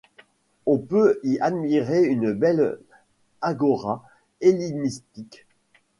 On peut y admirer une belle agora hellénistique.